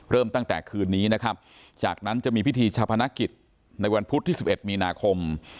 เริ่มตั้งแต่คืนนี้นะครับจากนั้นจะมีพิธีชาพนักกิจในวันพุธที่๑๑มีนาคม